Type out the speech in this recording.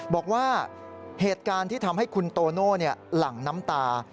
บอกว่าเหตุการณ์ที่ทำให้คุณโตโน่หลั่งน้ำตา